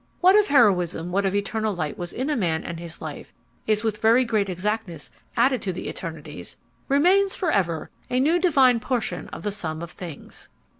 What of Heroism, what of Eternal Light was in a Man and his Life, is with very great exactness added to the Eternities, remains forever a new divine portion of the Sum of Things.